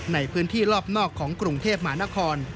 ในพื้นที่รอบนอกของกรุงเทพหมานคร